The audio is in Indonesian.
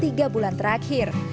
tiga bulan terakhir